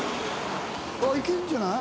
あっいけるんじゃない？